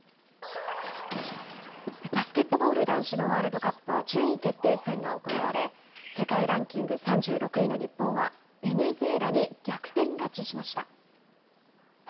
バスケットボール男子のワールドカップは順位決定戦が行われ、世界ランキング３６位の日本は、ベネズエラに逆転勝ちしました。